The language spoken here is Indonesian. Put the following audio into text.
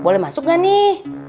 boleh masuk gak nih